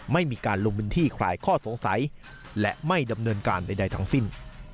ไม่มีการลงพื้นที่คลายข้อสงสัยและไม่ดำเนินการใดทั้งสิ้น